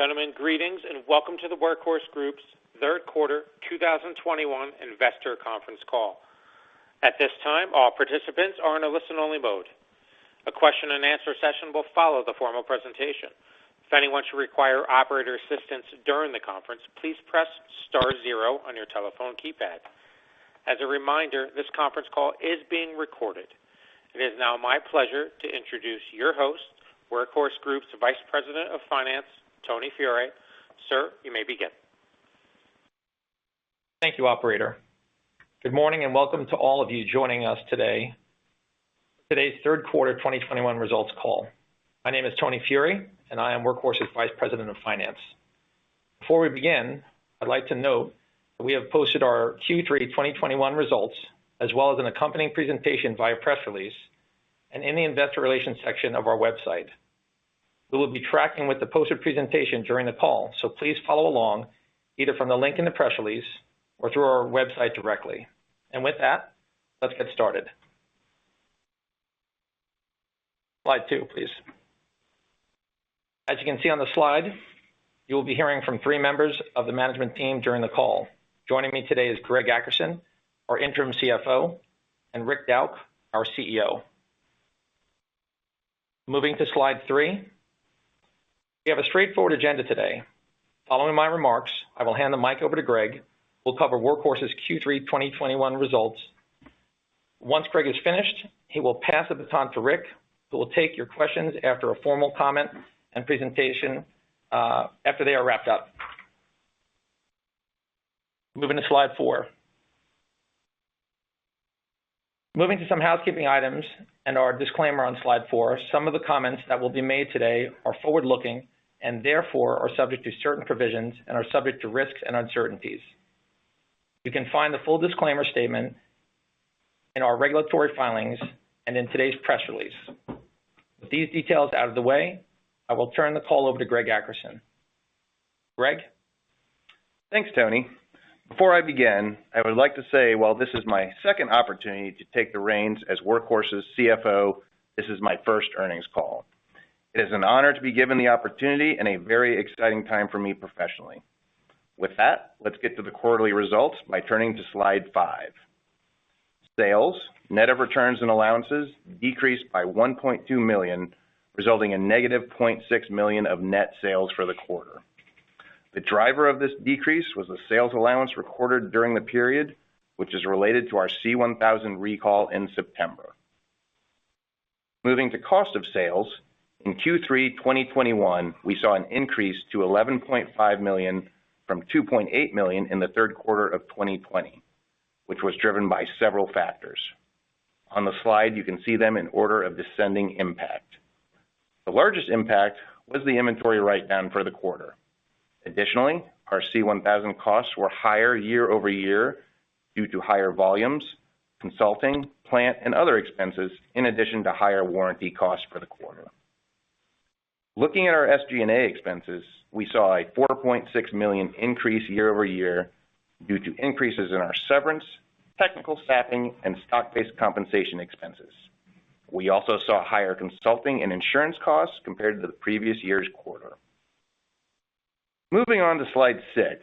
Ladies and gentlemen, greetings and welcome to the Workhorse Group's Q3 2021 investor conference call. At this time, all participants are in a listen-only mode. A question and answer session will follow the formal presentation. If anyone should require operator assistance during the conference, please press star zero on your telephone keypad. As a reminder, this conference call is being recorded. It is now my pleasure to introduce your host, Workhorse Group's Vice President of Finance, Tony Furey. Sir, you may begin. Thank you, operator. Good morning and welcome to all of you joining us today. Today's Q3 2021 results call. My name is Tony Furey, and I am Workhorse's Vice President of Finance. Before we begin, I'd like to note that we have posted our Q3 2021 results, as well as an accompanying presentation via press release and in the investor relations section of our website. We will be tracking with the posted presentation during the call, so please follow along either from the link in the press release or through our website directly. With that, let's get started. Slide two, please. As you can see on the slide, you will be hearing from three members of the management team during the call. Joining me today is Greg Ackerson, our interim CFO, and Rick Dauch, our CEO. Moving to slide 3. We have a straightforward agenda today. Following my remarks, I will hand the mic over to Greg, who will cover Workhorse's Q3 2021 results. Once Greg is finished, he will pass the baton to Rick, who will take your questions after a formal comment and presentation after they are wrapped up. Moving to slide four. Moving to some housekeeping items and our disclaimer on slide four, some of the comments that will be made today are forward-looking and therefore are subject to certain provisions and are subject to risks and uncertainties. You can find the full disclaimer statement in our regulatory filings and in today's press release. With these details out of the way, I will turn the call over to Greg Ackerson. Greg? Thanks, Tony. Before I begin, I would like to say while this is my second opportunity to take the reins as Workhorse's CFO, this is my first earnings call. It is an honor to be given the opportunity and a very exciting time for me professionally. With that, let's get to the quarterly results by turning to slide 5. Sales, net of returns and allowances, decreased by $1.2 million, resulting in -$0.6 million of net sales for the quarter. The driver of this decrease was the sales allowance recorded during the period, which is related to our C1000 recall in September. Moving to cost of sales, in Q3 2021, we saw an increase to $11.5 million from $2.8 million in the Q3 of 2020, which was driven by several factors. On the slide, you can see them in order of descending impact. The largest impact was the inventory write-down for the quarter. Additionally, our C-1000 costs were higher year-over-year due to higher volumes, consulting, plant, and other expenses, in addition to higher warranty costs for the quarter. Looking at our SG&A expenses, we saw a $4.6 million increase year-over-year due to increases in our severance, technical staffing, and stock-based compensation expenses. We also saw higher consulting and insurance costs compared to the previous year's quarter. Moving on to slide six.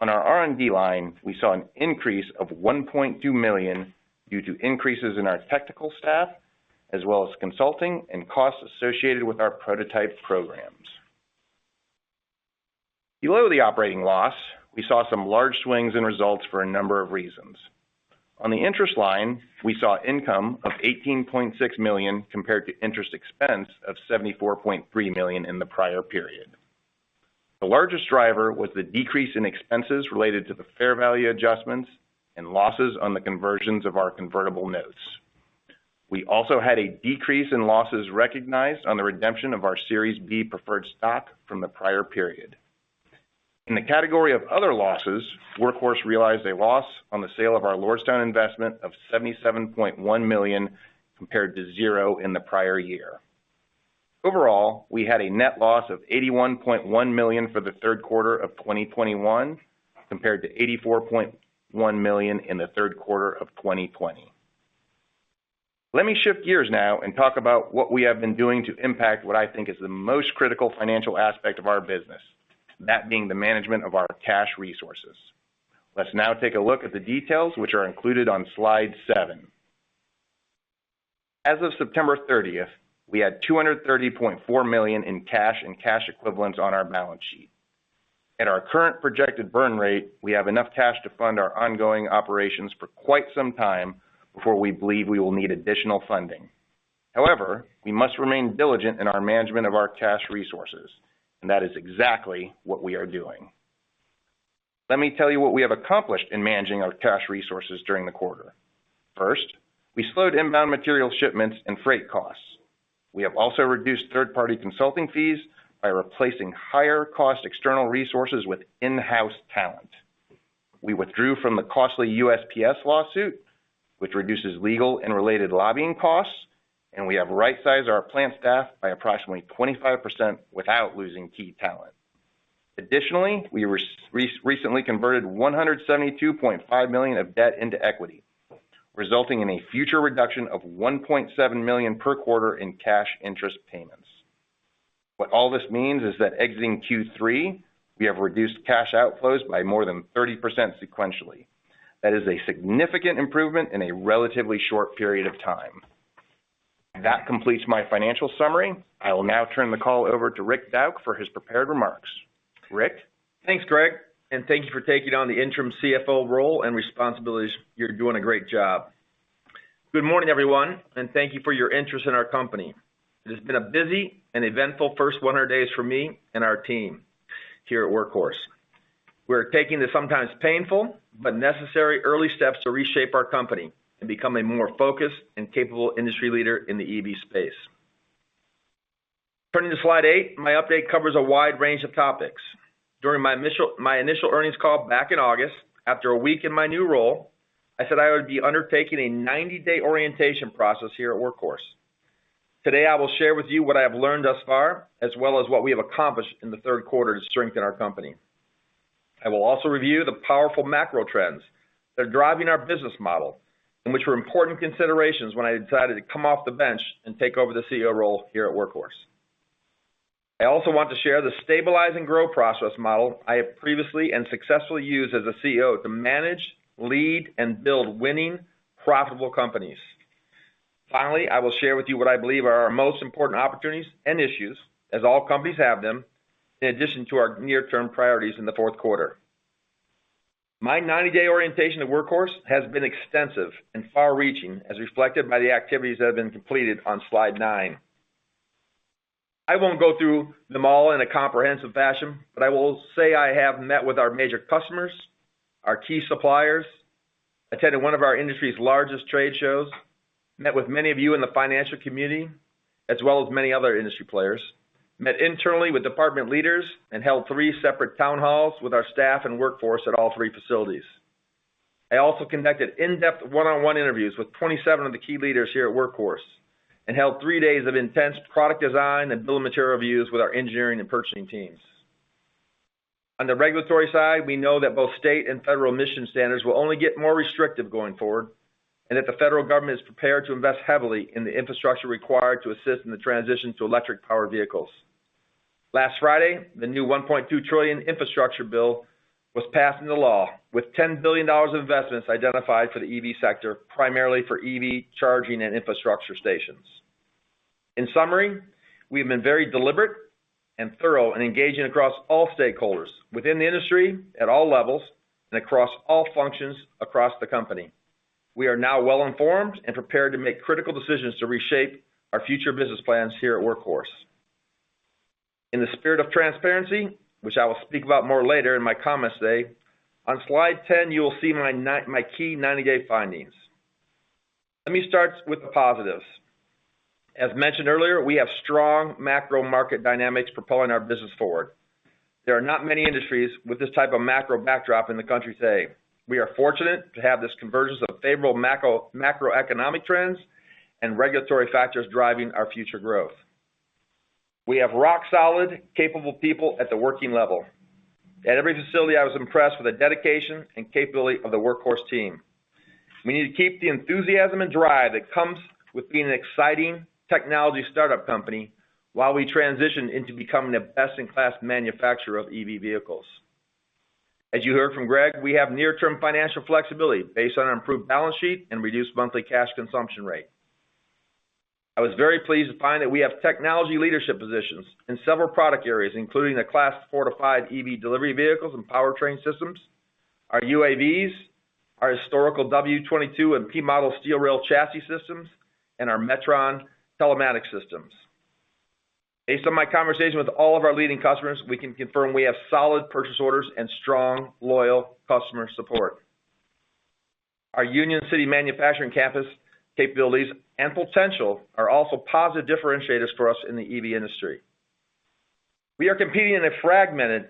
On our R&D line, we saw an increase of $1.2 million due to increases in our technical staff, as well as consulting and costs associated with our prototype programs. Below the operating loss, we saw some large swings in results for a number of reasons. On the interest line, we saw income of $18.6 million compared to interest expense of $74.3 million in the prior period. The largest driver was the decrease in expenses related to the fair value adjustments and losses on the conversions of our convertible notes. We also had a decrease in losses recognized on the redemption of our Series B preferred stock from the prior period. In the category of other losses, Workhorse realized a loss on the sale of our Lordstown investment of $77.1 million compared to zero in the prior year. Overall, we had a net loss of $81.1 million for the Q3 of 2021 compared to $84.1 million in the Q3 of 2020. Let me shift gears now and talk about what we have been doing to impact what I think is the most critical financial aspect of our business, that being the management of our cash resources. Let's now take a look at the details which are included on slide seven. As of September 30th, we had $230.4 million in cash and cash equivalents on our balance sheet. At our current projected burn rate, we have enough cash to fund our ongoing operations for quite some time before we believe we will need additional funding. However, we must remain diligent in our management of our cash resources, and that is exactly what we are doing. Let me tell you what we have accomplished in managing our cash resources during the quarter. First, we slowed inbound material shipments and freight costs. We have also reduced third-party consulting fees by replacing higher-cost external resources with in-house talent. We withdrew from the costly USPS lawsuit, which reduces legal and related lobbying costs, and we have right-sized our plant staff by approximately 25% without losing key talent. Additionally, we recently converted $172.5 million of debt into equity, resulting in a future reduction of $1.7 million per quarter in cash interest payments. What all this means is that exiting Q3, we have reduced cash outflows by more than 30% sequentially. That is a significant improvement in a relatively short period of time. That completes my financial summary. I will now turn the call over to Rick Dauch for his prepared remarks. Rick? Thanks, Greg, and thank you for taking on the Interim CFO role and responsibilities. You're doing a great job. Good morning, everyone, and thank you for your interest in our company. It has been a busy and eventful first 100 days for me and our team here at Workhorse. We're taking the sometimes painful but necessary early steps to reshape our company and become a more focused and capable industry leader in the EV space. Turning to slide eight, my update covers a wide range of topics. During my initial earnings call back in August, after a week in my new role, I said I would be undertaking a 90-day orientation process here at Workhorse. Today, I will share with you what I have learned thus far, as well as what we have accomplished in the Q3 to strengthen our company. I will also review the powerful macro trends that are driving our business model and which were important considerations when I decided to come off the bench and take over the CEO role here at Workhorse. I also want to share the stabilize and grow process model I have previously and successfully used as a CEO to manage, lead, and build winning profitable companies. Finally, I will share with you what I believe are our most important opportunities and issues, as all companies have them, in addition to our near-term priorities in the Q4. My 90-day orientation at Workhorse has been extensive and far-reaching, as reflected by the activities that have been completed on slide 9. I won't go through them all in a comprehensive fashion, but I will say I have met with our major customers, our key suppliers, attended one of our industry's largest trade shows, met with many of you in the financial community, as well as many other industry players, met internally with department leaders and held three separate town halls with our staff and workforce at all three facilities. I also conducted in-depth one-on-one interviews with 27 of the key leaders here at Workhorse and held three days of intense product design and bill of material reviews with our engineering and purchasing teams. On the regulatory side, we know that both state and federal emission standards will only get more restrictive going forward, and that the federal government is prepared to invest heavily in the infrastructure required to assist in the transition to electric-powered vehicles. Last Friday, the new $1.2 trillion infrastructure bill was passed into law with $10 billion of investments identified for the EV sector, primarily for EV charging and infrastructure stations. In summary, we have been very deliberate and thorough in engaging across all stakeholders within the industry at all levels and across all functions across the company. We are now well-informed and prepared to make critical decisions to reshape our future business plans here at Workhorse. In the spirit of transparency, which I will speak about more later in my comments today, on slide 10 you will see my key 90-day findings. Let me start with the positives. As mentioned earlier, we have strong macro market dynamics propelling our business forward. There are not many industries with this type of macro backdrop in the country today. We are fortunate to have this convergence of favorable macro, macroeconomic trends and regulatory factors driving our future growth. We have rock solid, capable people at the working level. At every facility, I was impressed with the dedication and capability of the Workhorse team. We need to keep the enthusiasm and drive that comes with being an exciting technology startup company while we transition into becoming a best-in-class manufacturer of EV vehicles. As you heard from Greg, we have near-term financial flexibility based on our improved balance sheet and reduced monthly cash consumption rate. I was very pleased to find that we have technology leadership positions in several product areas, including the Class 4-5 EV delivery vehicles and powertrain systems, our UAVs, our historical W22 and P Model steel rail chassis systems, and our Metron telematics systems. Based on my conversation with all of our leading customers, we can confirm we have solid purchase orders and strong, loyal customer support. Our Union City manufacturing campus capabilities and potential are also positive differentiators for us in the EV industry. We are competing in a fragmented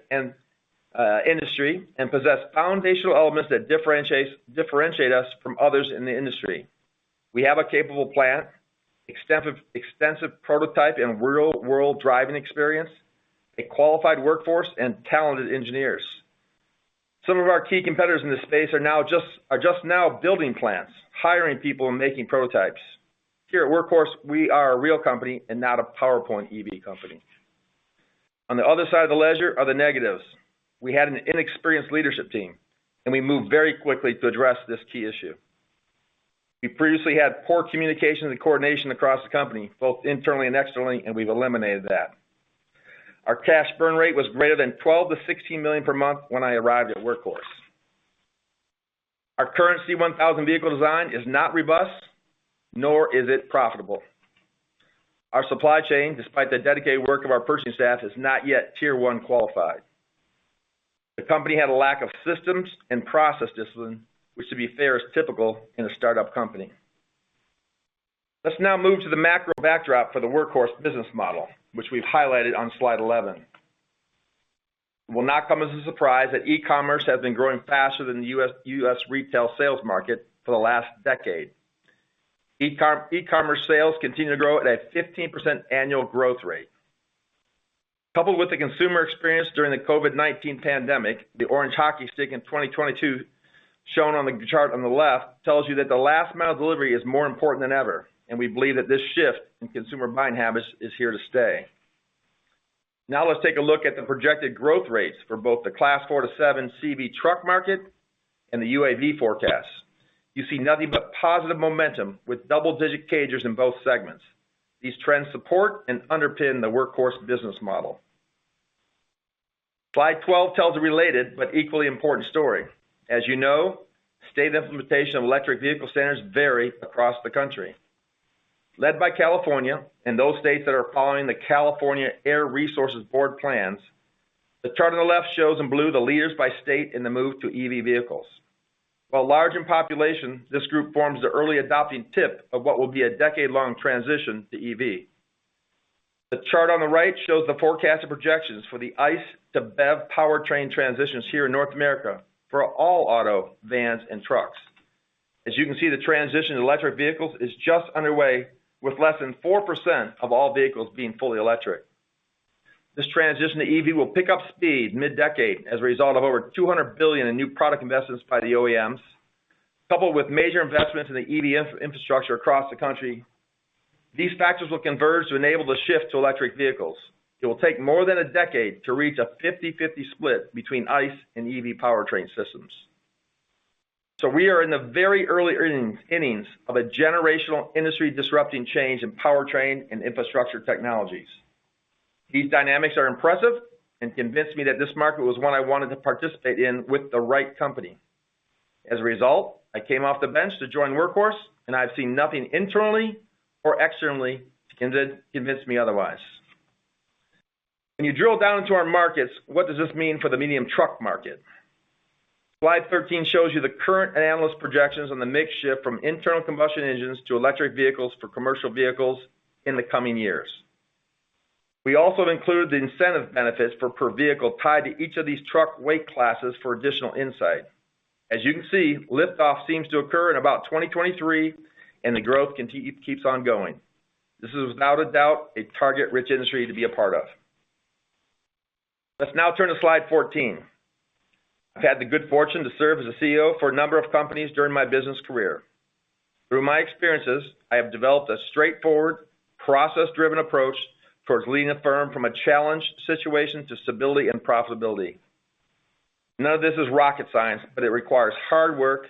industry and possess foundational elements that differentiate us from others in the industry. We have a capable plant, extensive prototype and real-world driving experience, a qualified workforce, and talented engineers. Some of our key competitors in this space are just now building plants, hiring people, and making prototypes. Here at Workhorse, we are a real company and not a PowerPoint EV company. On the other side of the ledger are the negatives. We had an inexperienced leadership team, and we moved very quickly to address this key issue. We previously had poor communication and coordination across the company, both internally and externally, and we've eliminated that. Our cash burn rate was greater than $12 million-$16 million per month when I arrived at Workhorse. Our current C-1000 vehicle design is not robust, nor is it profitable. Our supply chain, despite the dedicated work of our purchasing staff, is not yet tier one qualified. The company had a lack of systems and process discipline, which, to be fair, is typical in a startup company. Let's now move to the macro backdrop for the Workhorse business model, which we've highlighted on slide 11. It will not come as a surprise that e-commerce has been growing faster than the U.S. retail sales market for the last decade. E-commerce sales continue to grow at a 15% annual growth rate. Coupled with the consumer experience during the COVID-19 pandemic, the orange hockey stick in 2022 shown on the chart on the left tells you that the last mile delivery is more important than ever, and we believe that this shift in consumer buying habits is here to stay. Now let's take a look at the projected growth rates for both the Class 4-7 CV truck market and the UAV forecast. You see nothing but positive momentum with double-digit CAGRs in both segments. These trends support and underpin the Workhorse business model. Slide 12 tells a related but equally important story. As you know, state implementation of electric vehicle standards vary across the country. Led by California, and those states that are following the California Air Resources Board plans, the chart on the left shows in blue the leaders by state in the move to EV vehicles. While large in population, this group forms the early adopting tip of what will be a decade-long transition to EV. The chart on the right shows the forecast and projections for the ICE to BEV powertrain transitions here in North America for all auto, vans, and trucks. As you can see, the transition to electric vehicles is just underway with less than 4% of all vehicles being fully electric. This transition to EV will pick up speed mid-decade as a result of over $200 billion in new product investments by the OEMs, coupled with major investments in the EV infrastructure across the country. These factors will converge to enable the shift to electric vehicles. It will take more than a decade to reach a 50/50 split between ICE and EV powertrain systems. We are in the very early innings of a generational industry-disrupting change in powertrain and infrastructure technologies. \These dynamics are impressive and convinced me that this market was one I wanted to participate in with the right company. As a result, I came off the bench to join Workhorse, and I have seen nothing internally or externally to convince me otherwise. When you drill down into our markets, what does this mean for the medium truck market? Slide 13 shows you the current analyst projections on the mix shift from internal combustion engines to electric vehicles for commercial vehicles in the coming years. We also have included the incentive benefits for per vehicle tied to each of these truck weight classes for additional insight. As you can see, liftoff seems to occur in about 2023, and the growth keeps on going. This is without a doubt a target-rich industry to be a part of. Let's now turn to slide 14. I've had the good fortune to serve as a CEO for a number of companies during my business career. Through my experiences, I have developed a straightforward, process-driven approach towards leading a firm from a challenged situation to stability and profitability. None of this is rocket science, but it requires hard work,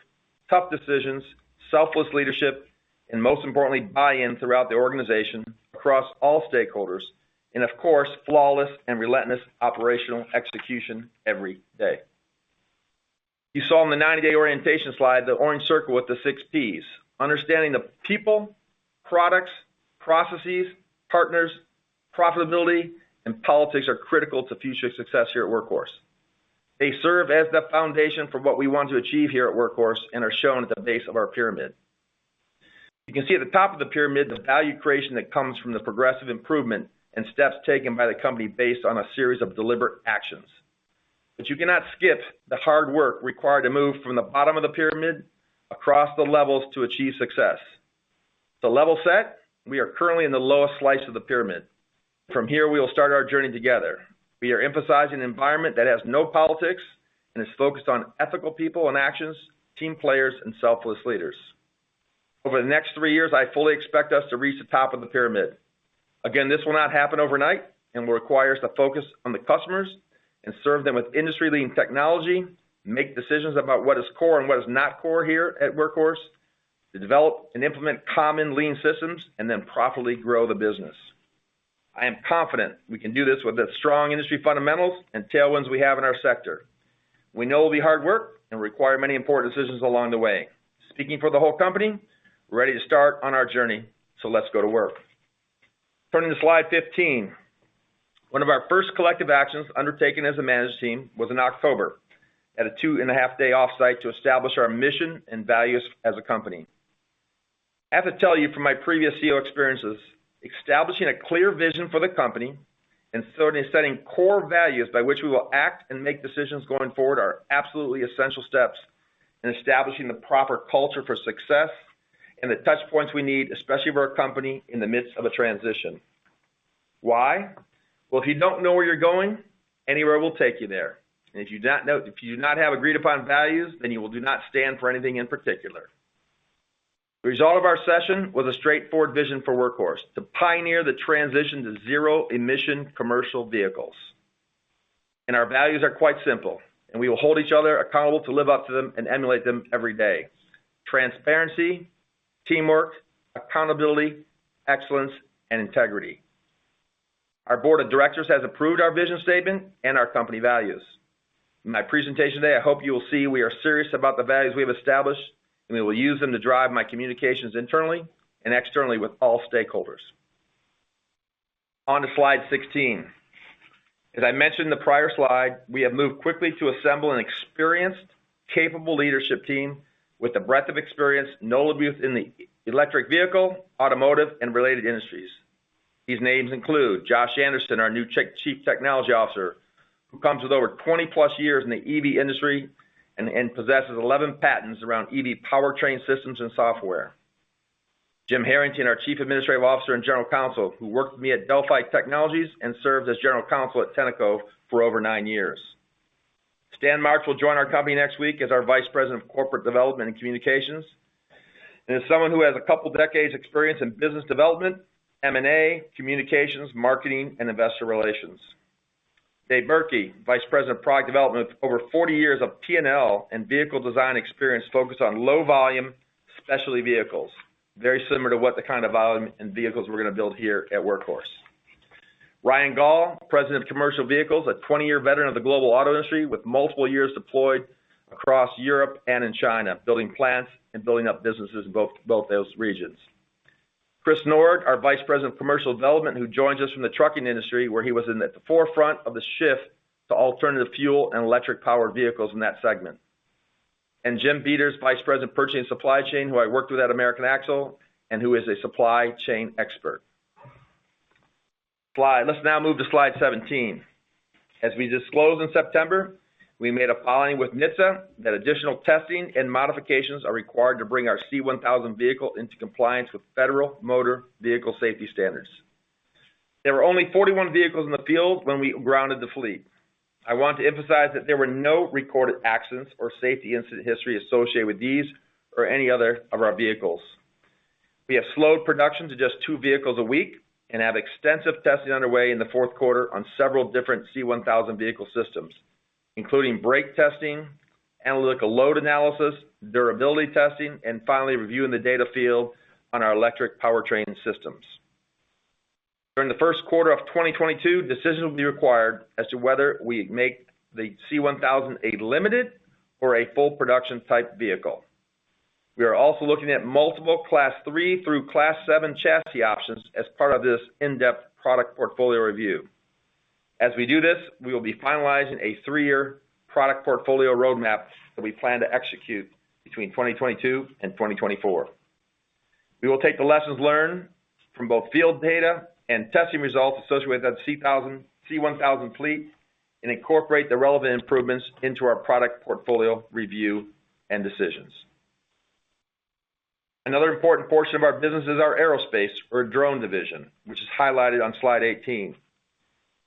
tough decisions, selfless leadership, and most importantly, buy-in throughout the organization across all stakeholders, and of course, flawless and relentless operational execution every day. You saw on the 90-day orientation slide the orange circle with the six Ps. Understanding the people, products, processes, partners, profitability, and politics are critical to future success here at Workhorse. They serve as the foundation for what we want to achieve here at Workhorse and are shown at the base of our pyramid. You can see at the top of the pyramid the value creation that comes from the progressive improvement and steps taken by the company based on a series of deliberate actions. You cannot skip the hard work required to move from the bottom of the pyramid across the levels to achieve success. The level set, we are currently in the lowest slice of the pyramid. From here, we will start our journey together. We are emphasizing an environment that has no politics and is focused on ethical people and actions, team players, and selfless leaders. Over the next three years, I fully expect us to reach the top of the pyramid. Again, this will not happen overnight and will require us to focus on the customers and serve them with industry-leading technology, make decisions about what is core and what is not core here at Workhorse, to develop and implement common lean systems, and then profitably grow the business. I am confident we can do this with the strong industry fundamentals and tailwinds we have in our sector. We know it will be hard work and require many important decisions along the way. Speaking for the whole company, we're ready to start on our journey, so let's go to work. Turning to slide 15. One of our first collective actions undertaken as a management team was in October at a 2.5-day offsite to establish our mission and values as a company. I have to tell you from my previous CEO experiences, establishing a clear vision for the company and setting core values by which we will act and make decisions going forward are absolutely essential steps in establishing the proper culture for success and the touch points we need, especially for our company in the midst of a transition. Why? Well, if you don't know where you're going, anywhere will take you there. If you do not have agreed upon values, then you do not stand for anything in particular. The result of our session was a straightforward vision for Workhorse, to pioneer the transition to zero-emission commercial vehicles. Our values are quite simple, and we will hold each other accountable to live up to them and emulate them every day. Transparency, teamwork, accountability, excellence, and integrity. Our board of directors has approved our vision statement and our company values. In my presentation today, I hope you will see we are serious about the values we have established, and we will use them to drive my communications internally and externally with all stakeholders. On to slide 16. As I mentioned in the prior slide, we have moved quickly to assemble an experienced, capable leadership team with the breadth of experience notable in the electric vehicle, automotive, and related industries. These names include Josh Anderson, our new Chief Technology Officer, who comes with over 20+ years in the EV industry and possesses 11 patents around EV powertrain systems and software. Jim Harrington, our Chief Administrative Officer and General Counsel, who worked with me at Delphi Technologies and served as General Counsel at Tenneco for over 9 years. Stan Marks will join our company next week as our Vice President of Corporate Development and Communications, and is someone who has a couple decades experience in business development, M&A, communications, marketing and investor relations. Dave Bjerke, Vice President of Product Development, with over 40 years of P&L and vehicle design experience focused on low volume specialty vehicles, very similar to what the kind of volume and vehicles we're gonna build here at Workhorse. Ryan Gaul, President of Commercial Vehicles, a 20-year veteran of the global auto industry with multiple years deployed across Europe and in China, building plants and building up businesses in both those regions. Chris Nord, our Vice President of Commercial Development, who joins us from the trucking industry, where he was in at the forefront of the shift to alternative fuel and electric powered vehicles in that segment. Jim Peters, Vice President of Purchasing and Supply Chain, who I worked with at American Axle and who is a supply chain expert. Slide. Let's now move to slide 17. As we disclosed in September, we made a filing with NHTSA that additional testing and modifications are required to bring our C-1000 vehicle into compliance with federal motor vehicle safety standards. There were only 41 vehicles in the field when we grounded the fleet. I want to emphasize that there were no recorded accidents or safety incident history associated with these or any other of our vehicles. We have slowed production to just 2 vehicles a week and have extensive testing underway in the Q4 on several different C-1000 vehicle systems, including brake testing, analytical load analysis, durability testing, and finally reviewing the data field on our electric powertrain systems. During the Q1 of 2022, decisions will be required as to whether we make the C-1000 a limited or a full production type vehicle. We are also looking at multiple Class III through Class VII chassis options as part of this in-depth product portfolio review. As we do this, we will be finalizing a three-year product portfolio roadmap that we plan to execute between 2022 and 2024. We will take the lessons learned from both field data and testing results associated with that C-1000 fleet and incorporate the relevant improvements into our product portfolio review and decisions. Another important portion of our business is our aerospace or drone division, which is highlighted on slide 18.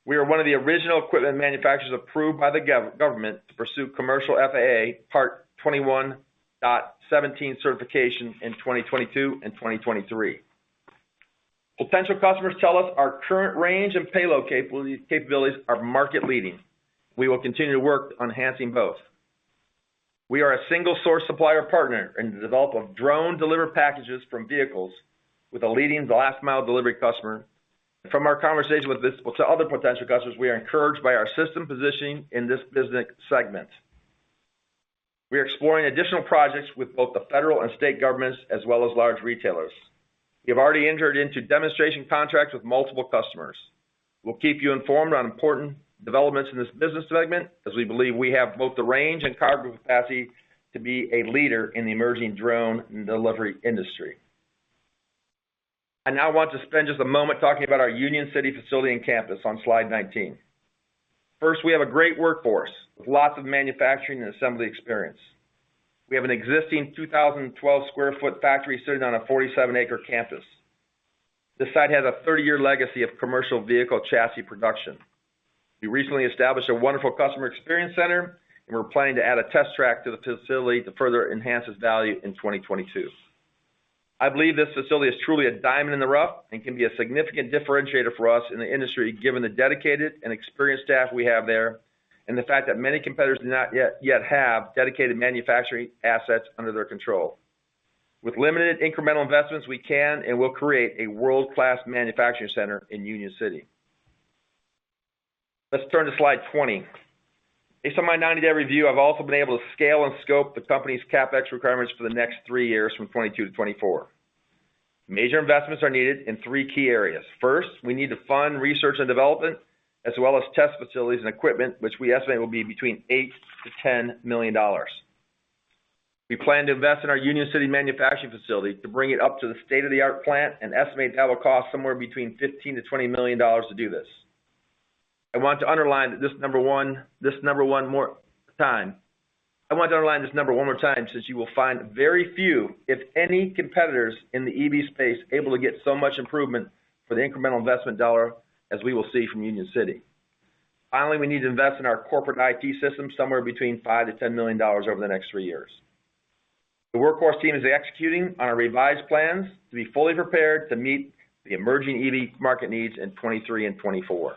We are one of the original equipment manufacturers approved by the government to pursue commercial FAA Part 21.17 certification in 2022 and 2023. Potential customers tell us our current range and payload capabilities are market leading. We will continue to work on enhancing both. We are a single source supplier partner in the development of drone delivered packages from vehicles with a leading last mile delivery customer. From our conversation with this to other potential customers, we are encouraged by our system positioning in this business segment. We are exploring additional projects with both the federal and state governments, as well as large retailers. We have already entered into demonstration contracts with multiple customers. We'll keep you informed on important developments in this business segment as we believe we have both the range and cargo capacity to be a leader in the emerging drone delivery industry. I now want to spend just a moment talking about our Union City facility and campus on slide 19. First, we have a great workforce with lots of manufacturing and assembly experience. We have an existing 2,012 sq ft factory sitting on a 47-acre campus. This site has a 30-year legacy of commercial vehicle chassis production. We recently established a wonderful customer experience center, and we're planning to add a test track to the facility to further enhance its value in 2022. I believe this facility is truly a diamond in the rough and can be a significant differentiator for us in the industry, given the dedicated and experienced staff we have there, and the fact that many competitors do not yet have dedicated manufacturing assets under their control. With limited incremental investments, we can and will create a world-class manufacturing center in Union City. Let's turn to slide 20. Based on my ninety-day review, I've also been able to scale and scope the company's CapEx requirements for the next three years from 2022 to 2024. Major investments are needed in three key areas. First, we need to fund research and development as well as test facilities and equipment, which we estimate will be between $8-$10 million. We plan to invest in our Union City manufacturing facility to bring it up to the state-of-the-art plant and estimate that will cost somewhere between $15-$20 million to do this. I want to underline this number one more time, since you will find very few, if any, competitors in the EV space able to get so much improvement for the incremental investment dollar as we will see from Union City. Finally, we need to invest in our corporate IT system somewhere between $5 million-$10 million over the next three years. The Workhorse team is executing on our revised plans to be fully prepared to meet the emerging EV market needs in 2023 and 2024.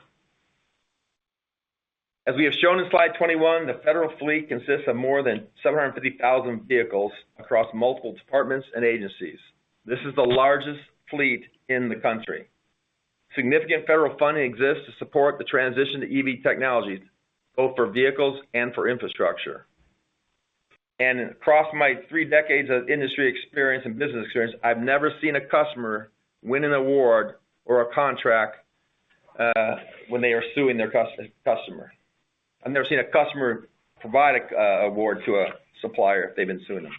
As we have shown in slide 21, the federal fleet consists of more than 750,000 vehicles across multiple departments and agencies. This is the largest fleet in the country. Significant federal funding exists to support the transition to EV technologies, both for vehicles and for infrastructure. Across my three decades of industry experience and business experience, I've never seen a customer win an award or a contract when they are suing their customer. I've never seen a customer provide an award to a supplier if they've been suing them.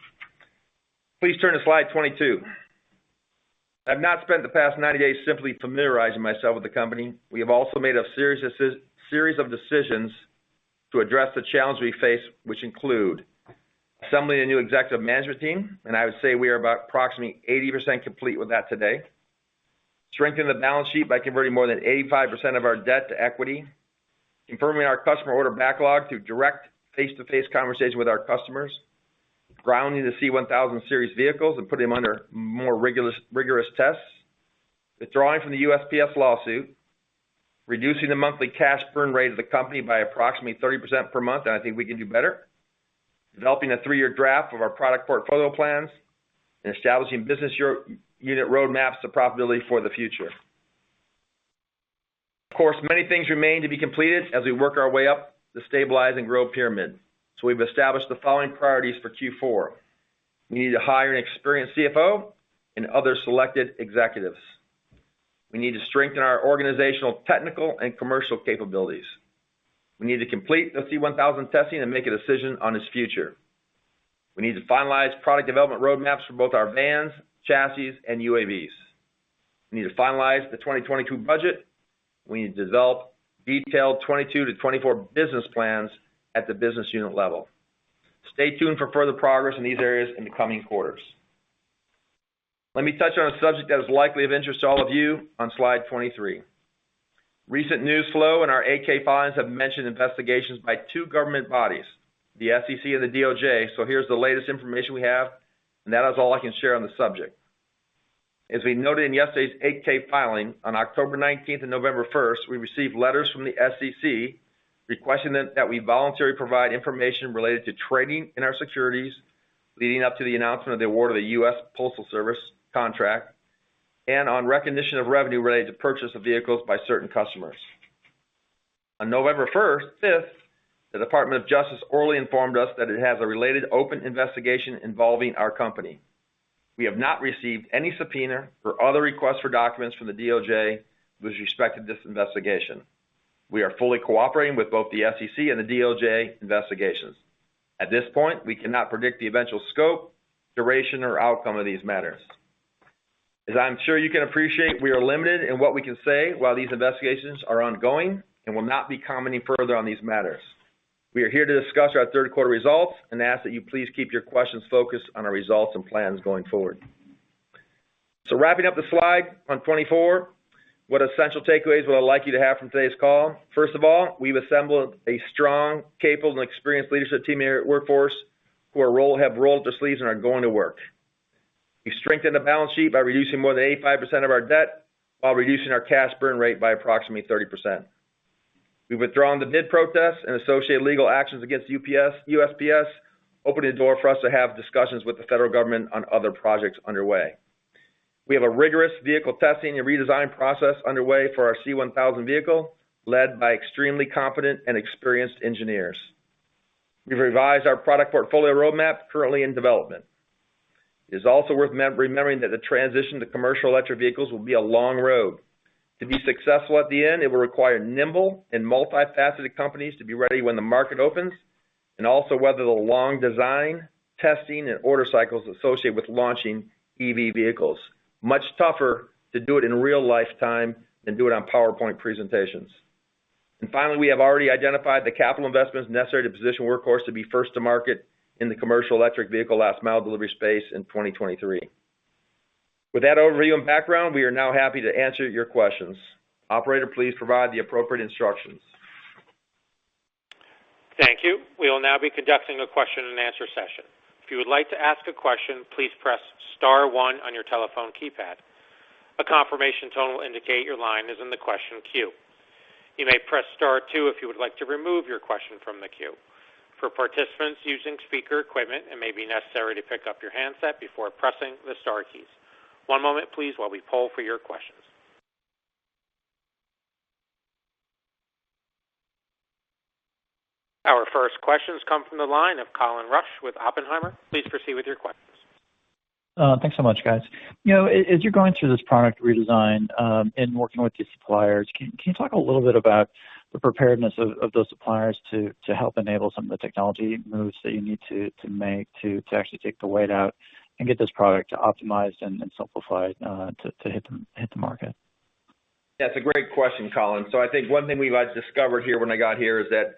Please turn to slide 22. I've not spent the past 90 days simply familiarizing myself with the company. We have also made a series of decisions to address the challenge we face, which include assembling a new executive management team, and I would say we are about approximately 80% complete with that today. Strengthening the balance sheet by converting more than 85% of our debt to equity. Confirming our customer order backlog through direct face-to-face conversation with our customers. Grounding the C-1000 series vehicles and putting them under more rigorous tests. Withdrawing from the USPS lawsuit. Reducing the monthly cash burn rate of the company by approximately 30% per month, and I think we can do better. Developing a 3-year draft of our product portfolio plans and establishing business unit roadmaps to profitability for the future. Of course, many things remain to be completed as we work our way up the stabilize and grow pyramid. We've established the following priorities for Q4. We need to hire an experienced CFO and other selected executives. We need to strengthen our organizational, technical, and commercial capabilities. We need to complete the C-1000 testing and make a decision on its future. We need to finalize product development roadmaps for both our vans, chassis, and UAVs. We need to finalize the 2022 budget. We need to develop detailed 2022 to 2024 business plans at the business unit level. Stay tuned for further progress in these areas in the coming quarters. Let me touch on a subject that is likely of interest to all of you on slide 23. Recent news flow in our 8-K filings have mentioned investigations by two government bodies, the SEC and the DOJ. Here's the latest information we have, and that is all I can share on the subject. As we noted in yesterday's 8-K filing, on October 19 and November 1, we received letters from the SEC requesting that we voluntarily provide information related to trading in our securities leading up to the announcement of the award of the U.S. Postal Service contract and on recognition of revenue related to purchase of vehicles by certain customers. On November 1–5, the Department of Justice orally informed us that it has a related open investigation involving our company. We have not received any subpoena or other requests for documents from the DOJ with respect to this investigation. We are fully cooperating with both the SEC and the DOJ investigations. At this point, we cannot predict the eventual scope, duration, or outcome of these matters. As I'm sure you can appreciate, we are limited in what we can say while these investigations are ongoing and will not be commenting further on these matters. We are here to discuss our Q3 results and ask that you please keep your questions focused on our results and plans going forward. Wrapping up the slide on 24, what essential takeaways would I like you to have from today's call? First of all, we've assembled a strong, capable, and experienced leadership team here at Workhorse, who have rolled their sleeves and are going to work. We strengthened the balance sheet by reducing more than 85% of our debt while reducing our cash burn rate by approximately 30%. We've withdrawn the bid protests and associated legal actions against USPS, opening the door for us to have discussions with the federal government on other projects underway. We have a rigorous vehicle testing and redesign process underway for our C-1000 vehicle, led by extremely competent and experienced engineers. We've revised our product portfolio roadmap currently in development. It's also worth remembering that the transition to commercial electric vehicles will be a long road. To be successful at the end, it will require nimble and multifaceted companies to be ready when the market opens, and also weather the long design, testing, and order cycles associated with launching EV vehicles. Much tougher to do it in real-life time than do it on PowerPoint presentations. Finally, we have already identified the capital investments necessary to position Workhorse to be first to market in the commercial electric vehicle last mile delivery space in 2023. With that overview and background, we are now happy to answer your questions. Operator, please provide the appropriate instructions. Thank you. We will now be conducting a question and answer session. If you would like to ask a question, please press star one on your telephone keypad. A confirmation tone will indicate your line is in the question queue. You may press Star two if you would like to remove your question from the queue. For participants using speaker equipment, it may be necessary to pick up your handset before pressing the star keys. One moment please while we poll for your questions. Our first questions come from the line of Colin Rusch with Oppenheimer. Please proceed with your questions. Thanks so much, guys. You know, as you're going through this product redesign, and working with your suppliers, can you talk a little bit about the preparedness of those suppliers to help enable some of the technology moves that you need to make to actually take the weight out and get this product optimized and simplified, to hit the market? That's a great question, Colin. I think one thing we've discovered here when I got here is that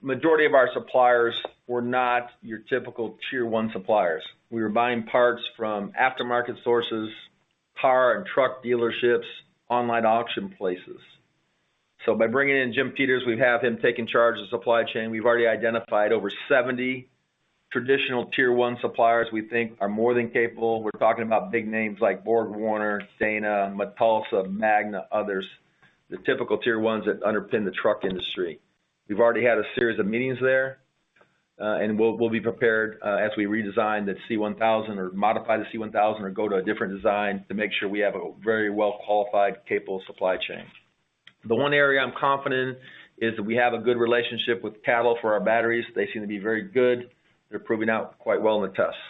majority of our suppliers were not your typical tier one suppliers. We were buying parts from aftermarket sources, car and truck dealerships, online auction places. By bringing in Jim Peters, we have him taking charge of supply chain. We've already identified over 70 traditional tier one suppliers we think are more than capable. We're talking about big names like BorgWarner, Dana, Metalsa, Magna, others, the typical tier ones that underpin the truck industry. We've already had a series of meetings there, and we'll be prepared, as we redesign the C-1000 or modify the C-1000 or go to a different design to make sure we have a very well-qualified, capable supply chain. The one area I'm confident is that we have a good relationship with CATL for our batteries. They seem to be very good. They're proving out quite well in the tests.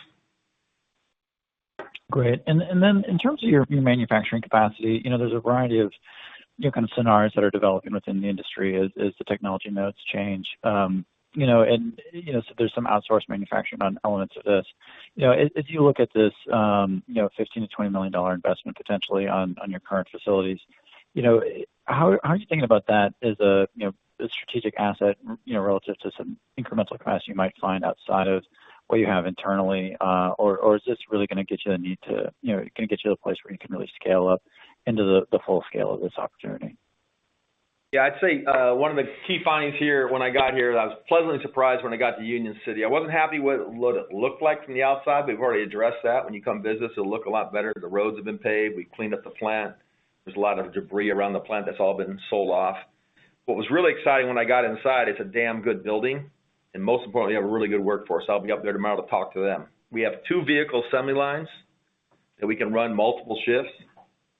Great. Then in terms of your manufacturing capacity, you know, there's a variety of, you know, kind of scenarios that are developing within the industry as the technology nodes change. You know, so there's some outsourced manufacturing on elements of this. You know, if you look at this, you know, $15 million-$20 million investment potentially on your current facilities, you know, how are you thinking about that as a, you know, a strategic asset, you know, relative to some incremental capacity you might find outside of what you have internally? Or is this really gonna get you to the place where you can really scale up into the full scale of this opportunity? Yeah, I'd say one of the key findings here when I got here, I was pleasantly surprised when I got to Union City. I wasn't happy with what it looked like from the outside. We've already addressed that. When you come visit us, it'll look a lot better because the roads have been paved. We cleaned up the plant. There's a lot of debris around the plant that's all been sold off. What was really exciting when I got inside, it's a damn good building, and most importantly, we have a really good workforce. I'll be up there tomorrow to talk to them. We have two vehicle assembly lines that we can run multiple shifts.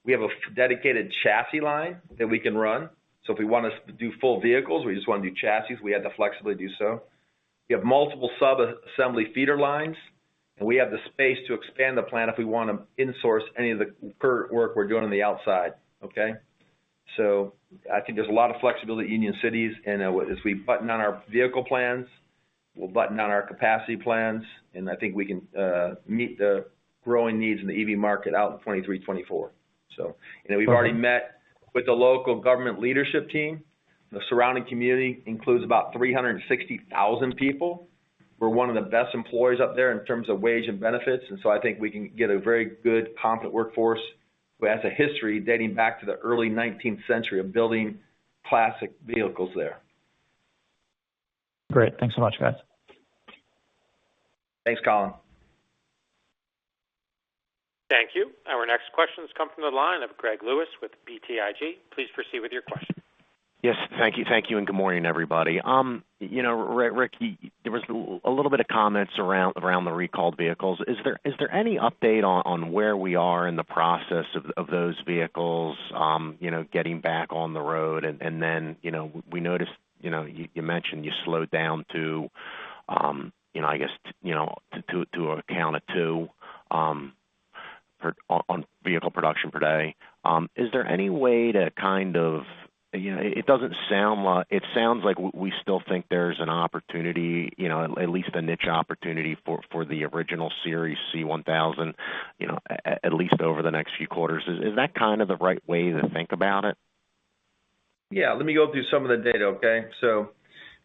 We have a dedicated chassis line that we can run. If we want to do full vehicles or we just want to do chassis, we have the flexibility to do so. We have multiple sub-assembly feeder lines, and we have the space to expand the plant if we want to insource any of the current work we're doing on the outside. Okay? I think there's a lot of flexibility at Union Cities, and as we button down our vehicle plans, we'll button down our capacity plans, and I think we can meet the growing needs in the EV market out in 2023, 2024. You know, we've already met with the local government leadership team. The surrounding community includes about 360,000 people. We're one of the best employers up there in terms of wage and benefits, and so I think we can get a very good competent workforce who has a history dating back to the early nineteenth century of building classic vehicles there. Great. Thanks so much, guys. Thanks, Colin. Thank you. Our next question's come from the line of Greg Lewis with BTIG. Please proceed with your question. Yes. Thank you. Thank you and good morning, everybody. You know, Rick, there was a little bit of comments around the recalled vehicles. Is there any update on where we are in the process of those vehicles, you know, getting back on the road? Then, you know, we noticed, you know, you mentioned you slowed down to, you know, I guess to a count of two vehicle production per day. Is there any way to kind of you know it sounds like we still think there's an opportunity, you know, at least a niche opportunity for the original Series C-1000, you know, at least over the next few quarters? Is that kind of the right way to think about it? Yeah. Let me go through some of the data, okay?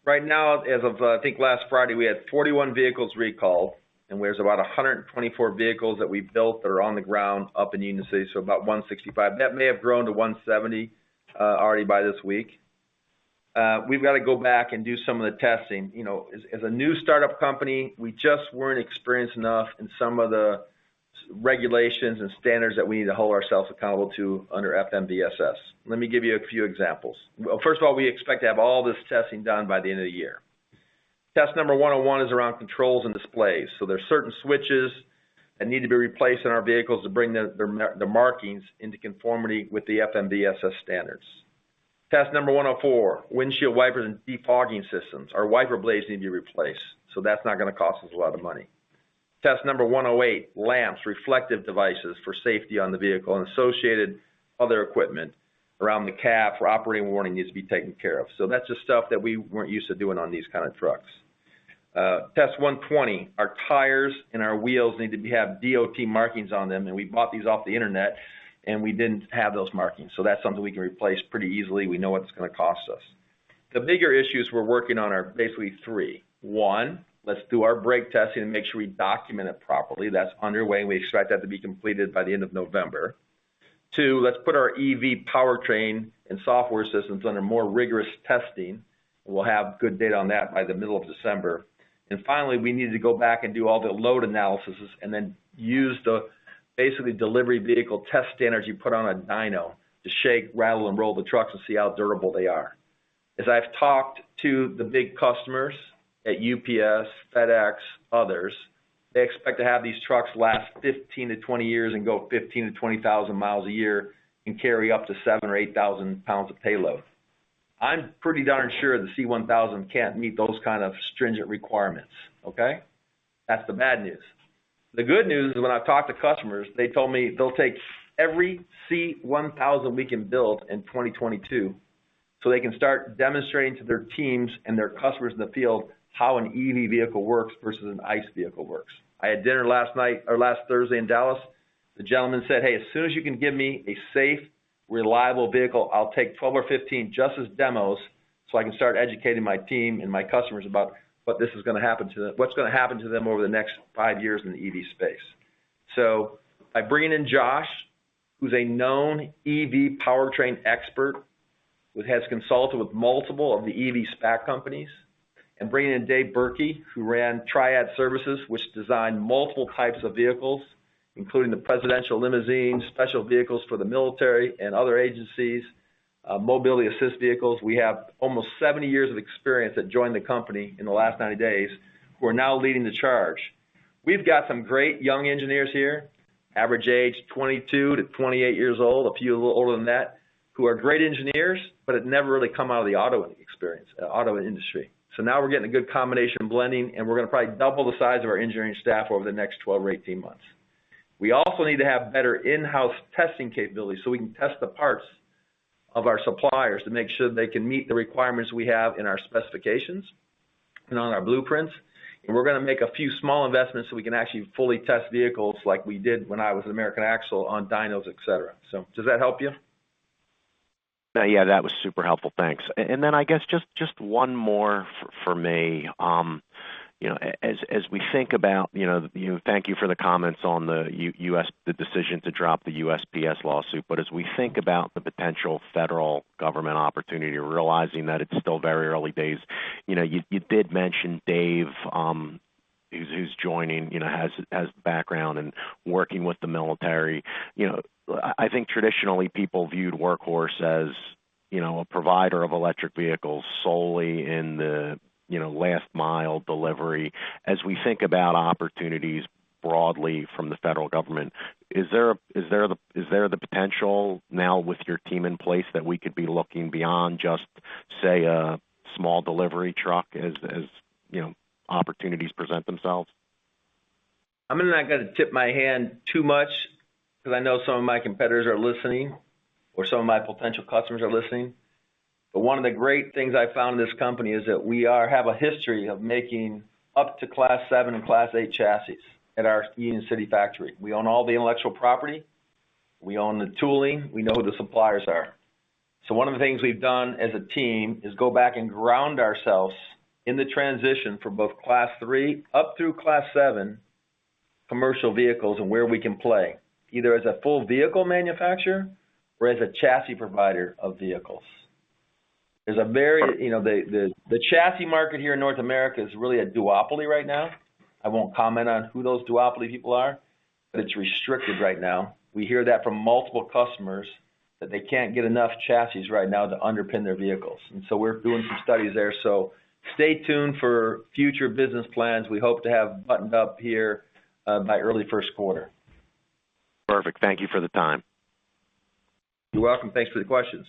Right now, as of, I think last Friday, we had 41 vehicles recalled, and there's about 124 vehicles that we've built that are on the ground up in Union City, so about 165. That may have grown to 170 already by this week. We've got to go back and do some of the testing. You know, as a new startup company, we just weren't experienced enough in some of the safety regulations and standards that we need to hold ourselves accountable to under FMVSS. Let me give you a few examples. Well, first of all, we expect to have all this testing done by the end of the year. Test number 101 is around controls and displays. There are certain switches that need to be replaced in our vehicles to bring the markings into conformity with the FMVSS standards. Test number 104, windshield wipers and defogging systems. Our wiper blades need to be replaced, so that's not gonna cost us a lot of money. Test number 108, lamps, reflective devices for safety on the vehicle and associated other equipment around the cab for operating warning needs to be taken care of. That's the stuff that we weren't used to doing on these kind of trucks. Test 120, our tires and our wheels need to have DOT markings on them, and we bought these off the internet, and we didn't have those markings. That's something we can replace pretty easily. We know what it's gonna cost us. The bigger issues we're working on are basically three. One, let's do our brake testing and make sure we document it properly. That's underway, and we expect that to be completed by the end of November. Two, let's put our EV powertrain and software systems under more rigorous testing. We'll have good data on that by the middle of December. Finally, we need to go back and do all the load analysis and then use the basically delivery vehicle test standards you put on a dyno to shake, rattle, and roll the trucks and see how durable they are. As I've talked to the big customers at UPS, FedEx, others, they expect to have these trucks last 15-20 years and go 15,000-20,000 miles a year and carry up to 7,000 or 8,000 pounds of payload. I'm pretty darn sure the C1000 can't meet those kind of stringent requirements, okay? That's the bad news. The good news is when I've talked to customers, they told me they'll take every C-1000 we can build in 2022, so they can start demonstrating to their teams and their customers in the field how an EV vehicle works versus an ICE vehicle works. I had dinner last night or last Thursday in Dallas. The gentleman said, "Hey, as soon as you can give me a safe, reliable vehicle, I'll take 12 or 15 just as demos, so I can start educating my team and my customers about what this is gonna happen to them, what's gonna happen to them over the next 5 years in the EV space." By bringing in Josh, who's a known EV powertrain expert, who has consulted with multiple of the EV SPAC companies, and bringing in Dave Bjerke, who ran Triad Services, which designed multiple types of vehicles, including the presidential limousine, special vehicles for the military and other agencies, mobility assist vehicles. We have almost 70 years of experience that joined the company in the last 90 days, who are now leading the charge. We've got some great young engineers here, average age 22-28 years old, a few a little older than that. Who are great engineers, but have never really come out of the auto experience, auto industry. Now we're getting a good combination blending, and we're gonna probably double the size of our engineering staff over the next 12 or 18 months. We also need to have better in-house testing capabilities, so we can test the parts of our suppliers to make sure they can meet the requirements we have in our specifications and on our blueprints. We're gonna make a few small investments, so we can actually fully test vehicles like we did when I was at American Axle on dynos, et cetera. Does that help you? Yeah, that was super helpful. Thanks. Then I guess just one more for me. You know, as we think about, you know, thank you for the comments on the USPS decision to drop the USPS lawsuit. As we think about the potential federal government opportunity, realizing that it's still very early days, you know, you did mention Dave, who's joining, you know, has background in working with the military. You know, I think traditionally people viewed Workhorse as, you know, a provider of electric vehicles solely in the, you know, last mile delivery. As we think about opportunities broadly from the federal government, is there the potential now with your team in place that we could be looking beyond just, say, a small delivery truck as, you know, opportunities present themselves? I'm not gonna tip my hand too much because I know some of my competitors are listening or some of my potential customers are listening. One of the great things I found in this company is that we have a history of making up to Class seven and Class eight chassis at our Union City factory. We own all the intellectual property, we own the tooling, we know who the suppliers are. One of the things we've done as a team is go back and ground ourselves in the transition from both Class 3 up through Class 7 commercial vehicles and where we can play, either as a full vehicle manufacturer or as a chassis provider of vehicles. There's a very, you know, the chassis market here in North America is really a duopoly right now. I won't comment on who those duopoly people are, but it's restricted right now. We hear that from multiple customers that they can't get enough chassis right now to underpin their vehicles, and so we're doing some studies there. Stay tuned for future business plans we hope to have buttoned up here by early Q1. Perfect. Thank you for the time. You're welcome. Thanks for the questions.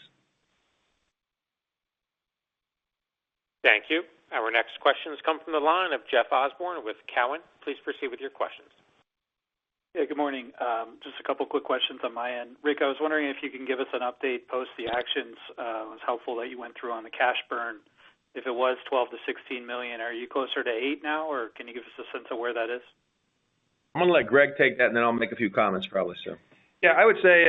Thank you. Our next question has come from the line of Jeff Osborne with Cowen. Please proceed with your questions. Yeah, good morning. Just a couple of quick questions on my end. Rick, I was wondering if you can give us an update post the actions. It was helpful that you went through on the cash burn. If it was $12 million-$16 million, are you closer to $8 million now, or can you give us a sense of where that is? I'm gonna let Greg take that, and then I'll make a few comments probably, so. Yeah, I would say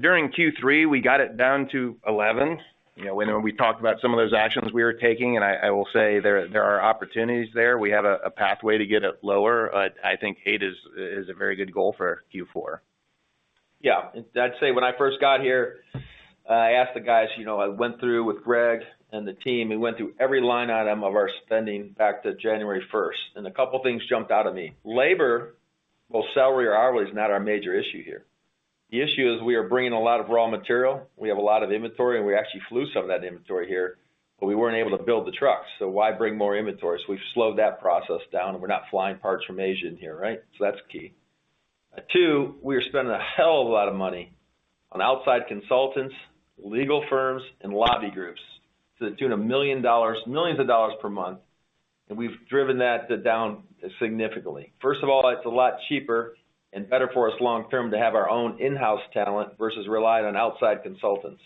during Q3, we got it down to 11. You know, when we talked about some of those actions we were taking, and I will say there are opportunities there. We have a pathway to get it lower, but I think 8 is a very good goal for Q4. Yeah. I'd say when I first got here, I asked the guys, you know, I went through with Greg and the team, we went through every line item of our spending back to January first, and a couple of things jumped out at me. Labor, both salary or hourly, is not our major issue here. The issue is we are bringing a lot of raw material, we have a lot of inventory, and we actually flew some of that inventory here, but we weren't able to build the trucks. Why bring more inventory? We've slowed that process down, and we're not flying parts from Asia in here, right? That's key. Two, we are spending a hell of a lot of money on outside consultants, legal firms, and lobby groups to the tune of $1 million, $ millions per month, and we've driven that down significantly. First of all, it's a lot cheaper and better for us long term to have our own in-house talent versus relying on outside consultants.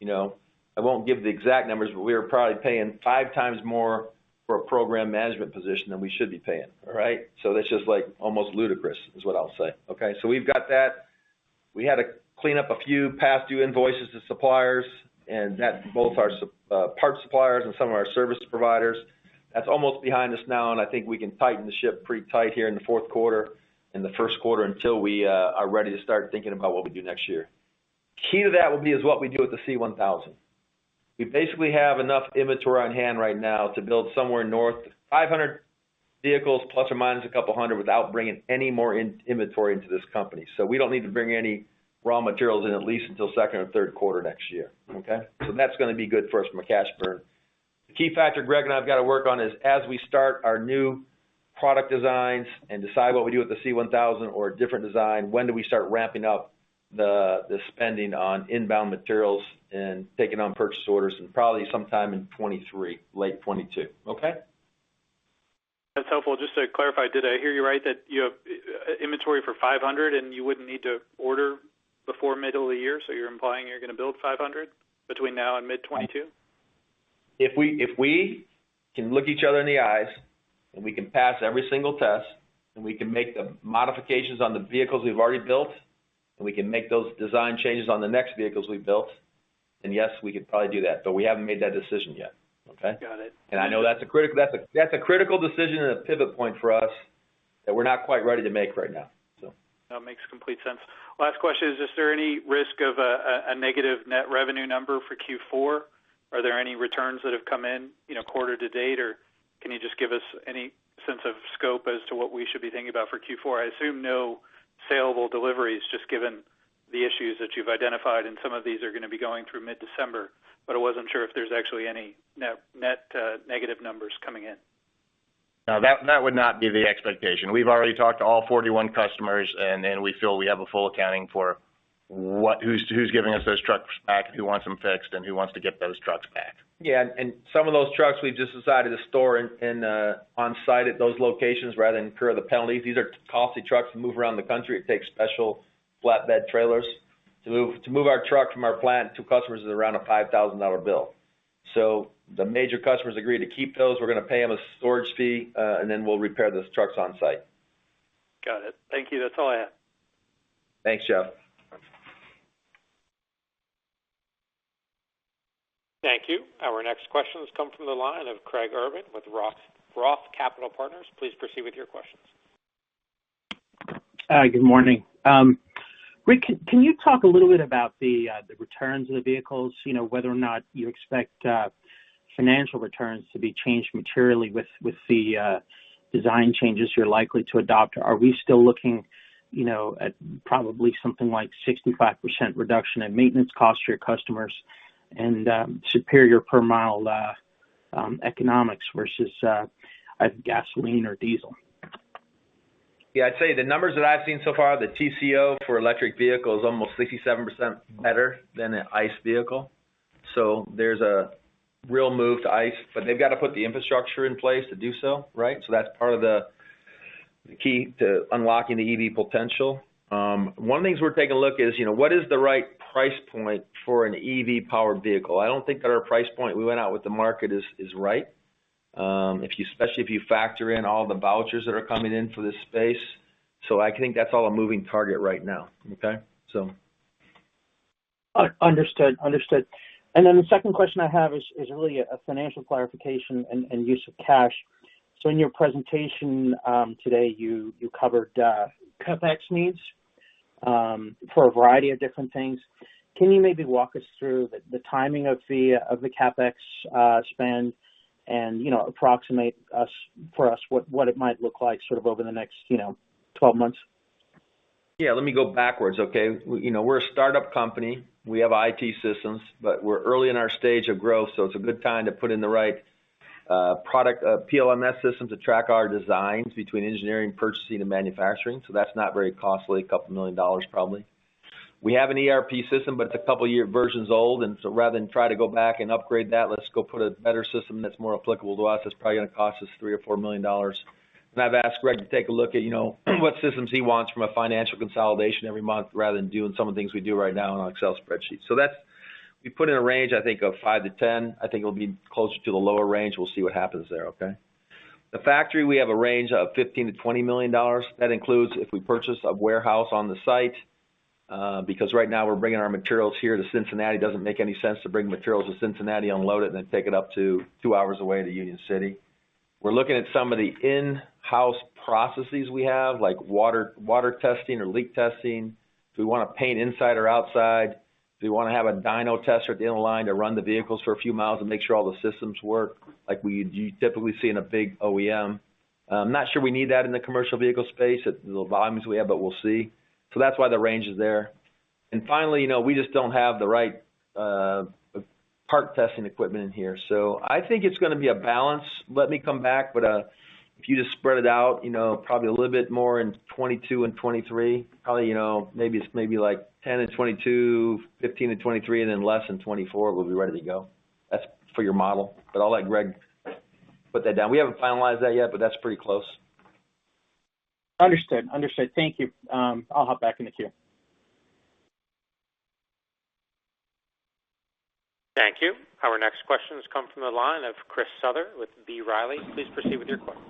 You know, I won't give the exact numbers, but we are probably paying five times more for a program management position than we should be paying. All right? So that's just like almost ludicrous, is what I'll say. Okay, so we've got that. We had to clean up a few past due invoices to suppliers and that both our parts suppliers and some of our service providers. That's almost behind us now, and I think we can tighten the ship pretty tight here in the Q4, in the Q1 until we are ready to start thinking about what we do next year. Key to that will be is what we do with the C-1000. We basically have enough inventory on hand right now to build somewhere north of 500 vehicles ±200 without bringing any more in inventory into this company. We don't need to bring any raw materials in at least until second or Q3 next year. Okay? That's gonna be good for us from a cash burn. The key factor Greg and I've got to work on is as we start our new product designs and decide what we do with the C-1000 or a different design, when do we start ramping up the spending on inbound materials and taking on purchase orders, and probably sometime in 2023, late 2022. Okay? That's helpful. Just to clarify, did I hear you right that you have inventory for 500 and you wouldn't need to order before middle of the year, so you're implying you're gonna build 500 between now and mid-2022? If we can look each other in the eyes and we can pass every single test, and we can make the modifications on the vehicles we've already built, and we can make those design changes on the next vehicles we built, then yes, we could probably do that, but we haven't made that decision yet. Okay? Got it. I know that's a critical decision and a pivot point for us that we're not quite ready to make right now. No, it makes complete sense. Last question is there any risk of a negative net revenue number for Q4? Are there any returns that have come in, you know, quarter to date, or can you just give us any sense of scope as to what we should be thinking about for Q4? I assume no saleable deliveries just given the issues that you've identified, and some of these are gonna be going through mid-December, but I wasn't sure if there's actually any net negative numbers coming in. No, that would not be the expectation. We've already talked to all 41 customers and we feel we have a full accounting for who's giving us those trucks back, who wants them fixed, and who wants to get those trucks back. Yeah, some of those trucks we've just decided to store on-site at those locations rather than incur the penalties. These are costly trucks to move around the country. It takes special flatbed trailers. To move our truck from our plant to customers is around a $5,000 bill. So the major customers agreed to keep those. We're gonna pay them a storage fee, and then we'll repair those trucks on-site. Got it. Thank you. That's all I have. Thanks, Jeff. Thanks. Thank you. Our next question comes from the line of Craig Irwin with Roth Capital Partners. Please proceed with your questions. Good morning. Rick, can you talk a little bit about the returns of the vehicles, you know, whether or not you expect financial returns to be changed materially with the design changes you're likely to adopt? Are we still looking, you know, at probably something like 65% reduction in maintenance costs for your customers and superior per mile economics versus a gasoline or diesel? Yeah. I'd say the numbers that I've seen so far, the TCO for electric vehicles almost 67% better than the ICE vehicle. There's a real move to ICE, but they've got to put the infrastructure in place to do so, right? That's part of the key to unlocking the EV potential. One of the things we're taking a look is, you know, what is the right price point for an EV-powered vehicle? I don't think that our price point we went out with the market is right. Especially if you factor in all the vouchers that are coming in for this space. I think that's all a moving target right now. Okay. Understood. The second question I have is really a financial clarification and use of cash. In your presentation today, you covered CapEx needs for a variety of different things. Can you maybe walk us through the timing of the CapEx spend and, you know, approximate for us what it might look like sort of over the next, you know, 12 months? Yeah. Let me go backwards, okay? You know, we're a startup company. We have IT systems, but we're early in our stage of growth, so it's a good time to put in the right product PLM system to track our designs between engineering, purchasing, and manufacturing. So that's not very costly, $2 million, probably. We have an ERP system, but it's a couple of years old, and so rather than try to go back and upgrade that, let's go put a better system that's more applicable to us. That's probably gonna cost us $3 million-$4 million. I've asked Greg to take a look at, you know, what systems he wants from a financial consolidation every month rather than doing some of the things we do right now on Excel spreadsheets. We put in a range, I think of 5-10. I think it'll be closer to the lower range. We'll see what happens there, okay? The factory, we have a range of $15 million-$20 million. That includes if we purchase a warehouse on the site, because right now we're bringing our materials here to Cincinnati. It doesn't make any sense to bring materials to Cincinnati, unload it, and then take it up to 2 hours away to Union City. We're looking at some of the in-house processes we have, like water testing or leak testing. Do we want to paint inside or outside? Do we want to have a dyno tester at the end of the line to run the vehicles for a few miles and make sure all the systems work like you typically see in a big OEM? I'm not sure we need that in the commercial vehicle space at the volumes we have, but we'll see. That's why the range is there. Finally, you know, we just don't have the right part testing equipment in here. I think it's gonna be a balance. If you just spread it out, you know, probably a little bit more in 2022 and 2023, probably, you know, maybe it's like 10 in 2022, 15 in 2023, and then less in 2024, we'll be ready to go. That's for your model. I'll let Greg put that down. We haven't finalized that yet, but that's pretty close. Understood. Thank you. I'll hop back in the queue. Thank you. Our next question has come from the line of Chris Souther with B. Riley. Please proceed with your question.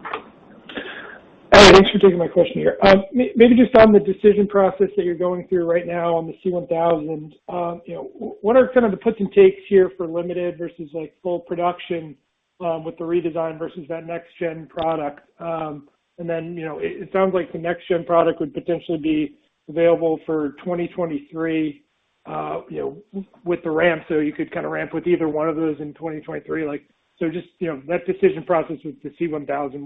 Hi. Thanks for taking my question here. Maybe just on the decision process that you're going through right now on the C-1000, you know, what are kind of the puts and takes here for limited versus, like, full production, with the redesign versus that next gen product? You know, it sounds like the next gen product would potentially be available for 2023, with the ramp, so you could kind of ramp with either one of those in 2023. Like, so just, you know, that decision process with the C-1000,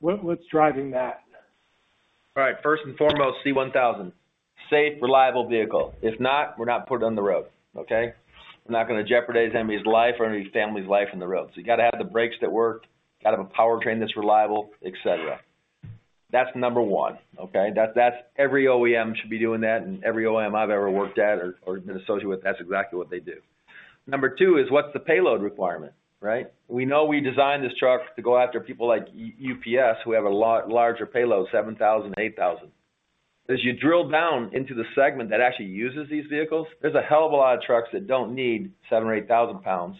what's driving that? All right. First and foremost, C-1000. Safe, reliable vehicle. If not, we're not putting it on the road, okay? We're not gonna jeopardize anybody's life or any family's life on the road. So you gotta have the brakes that work, gotta have a powertrain that's reliable, et cetera. That's number one, okay? That, that's every OEM should be doing that and every OEM I've ever worked at or been associated with, that's exactly what they do. Number two is what's the payload requirement, right? We know we designed this truck to go after people like UPS, who have a lot larger payload, 7,000, 8,000. As you drill down into the segment that actually uses these vehicles, there's a hell of a lot of trucks that don't need 7,000 or 8,000 pounds.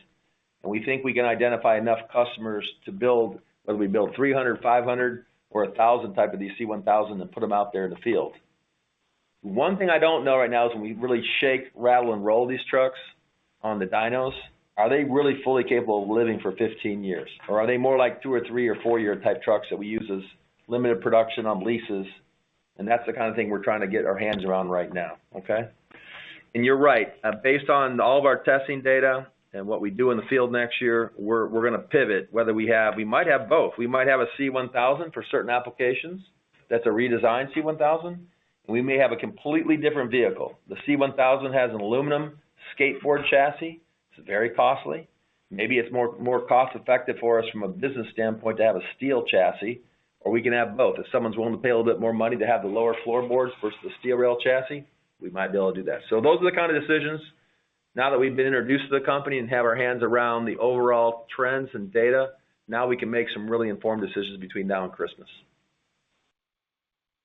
We think we can identify enough customers to build, whether we build 300, 500 or 1,000 type of these C-1000 and put them out there in the field. One thing I don't know right now is when we really shake, rattle, and roll these trucks on the dynos, are they really fully capable of living for 15 years? Or are they more like 2- or 3- or 4-year type trucks that we use as limited production on leases? That's the kind of thing we're trying to get our hands around right now, okay. You're right. Based on all of our testing data and what we do in the field next year, we're gonna pivot. We might have both. We might have a C-1000 for certain applications. That's a redesigned C-1000. We may have a completely different vehicle. The C-1000 has an aluminum skateboard chassis, it's very costly. Maybe it's more cost-effective for us from a business standpoint to have a steel chassis, or we can have both. If someone's willing to pay a little bit more money to have the lower floorboards versus the steel rail chassis, we might be able to do that. Those are the kind of decisions now that we've been introduced to the company and have our hands around the overall trends and data, now we can make some really informed decisions between now and Christmas.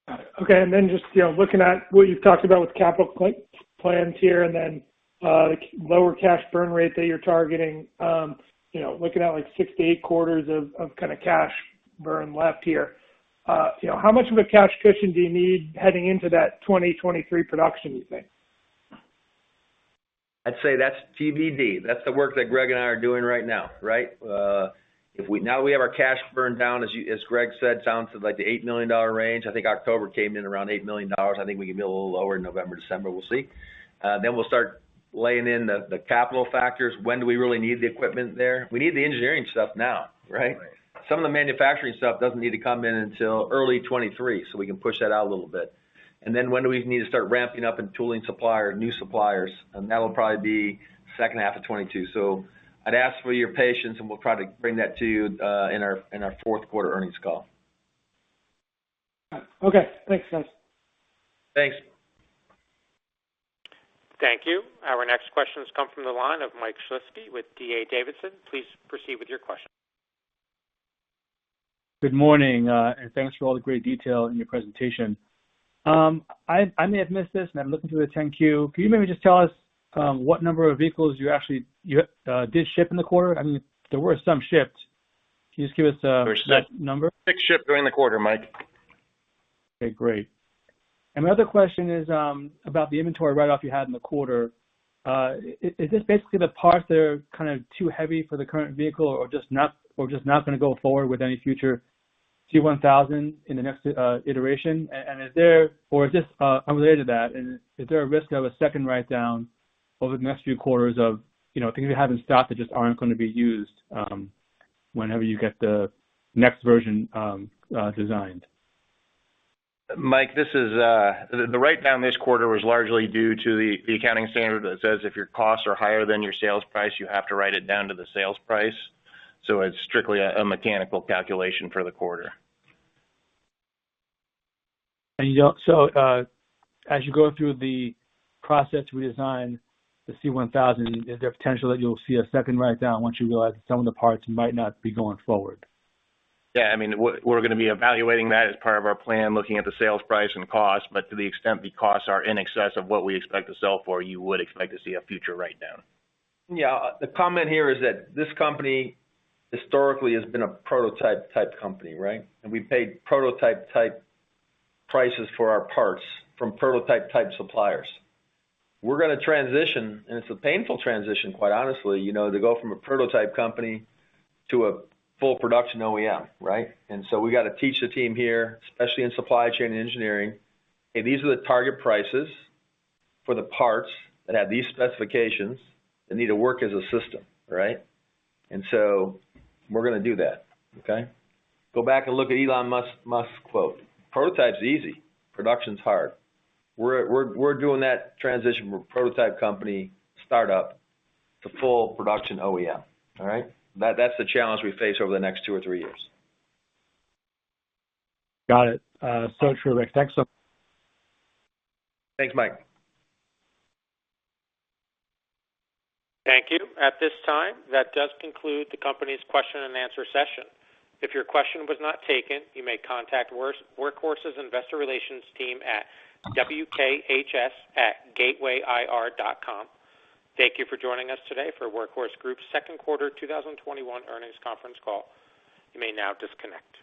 Got it. Okay. Just, you know, looking at what you've talked about with capital plans here and then lower cash burn rate that you're targeting, you know, looking at like 6-8 quarters of kind of cash burn left here, you know, how much of a cash cushion do you need heading into that 2023 production, you think? I'd say that's TBD. That's the work that Greg and I are doing right now, right? Now we have our cash burn down as Greg said, down to like the $8 million range. I think October came in around $8 million. I think we can be a little lower in November, December. We'll see. Then we'll start laying in the capital factors. When do we really need the equipment there? We need the engineering stuff now, right? Right. Some of the manufacturing stuff doesn't need to come in until early 2023, so we can push that out a little bit. Then when do we need to start ramping up and tooling supplier, new suppliers? That'll probably be second half of 2022. I'd ask for your patience, and we'll try to bring that to you, in our Q4 earnings call. Okay. Thanks, guys. Thanks. Thank you. Our next question has come from the line of Mike Shlisky with D.A. Davidson. Please proceed with your question. Good morning, thanks for all the great detail in your presentation. I may have missed this, and I'm looking through the 10-Q. Can you maybe just tell us what number of vehicles you actually did ship in the quarter? I mean, there were some shipped. Can you just give us that number? 6 shipped during the quarter, Mike. Okay, great. My other question is about the inventory write-off you had in the quarter. Is this basically the parts that are kind of too heavy for the current vehicle or just not gonna go forward with any future C-1000 in the next iteration? And is there or just unrelated to that and is there a risk of a second write-down over the next few quarters of, you know, things you have in stock that just aren't gonna be used whenever you get the next version designed? Mike, the write-down this quarter was largely due to the accounting standard that says if your costs are higher than your sales price, you have to write it down to the sales price. It's strictly a mechanical calculation for the quarter. As you go through the process to redesign the C-1000, is there a potential that you'll see a second write-down once you realize that some of the parts might not be going forward? Yeah, I mean, we're gonna be evaluating that as part of our plan, looking at the sales price and cost. To the extent the costs are in excess of what we expect to sell for, you would expect to see a future write-down. Yeah. The comment here is that this company historically has been a prototype type company, right? We paid prototype type prices for our parts from prototype type suppliers. We're gonna transition, and it's a painful transition, quite honestly, you know, to go from a prototype company to a full production OEM, right? We gotta teach the team here, especially in supply chain engineering, "Hey, these are the target prices for the parts that have these specifications that need to work as a system," right? We're gonna do that. Okay? Go back and look at Elon Musk's quote, "Prototype's easy. Production's hard. We're doing that transition from prototype company startup to full production OEM. All right? That's the challenge we face over the next two or three years. Got it. True, Rick. Thanks so- Thanks, Mike. Thank you. At this time, that does conclude the company's question and answer session. If your question was not taken, you may contact Workhorse's Investor Relations team at wkhs@gatewayir.com. Thank you for joining us today for Workhorse Group's Q2 2021 earnings conference call. You may now disconnect.